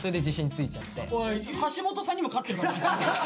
橋本さんにも勝ってるからな。